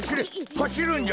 はしるんじゃ。